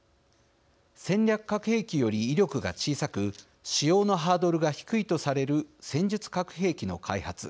戦略核兵器より威力が小さく使用のハードルが低いとされる戦術核兵器の開発。